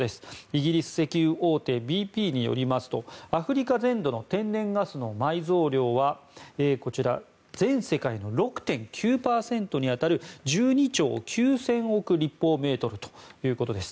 イギリス石油大手ＢＰによりますとアフリカ全土の天然ガスの埋蔵量はこちら全世界の６．９％に当たる１２兆９０００億立方メートルということです。